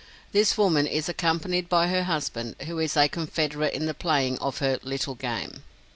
This woman is accompanied by her husband, who is a confederate in the playing of her "little game."